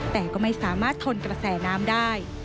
แต่ก็ไม่สามารถทนกระแสน้ำได้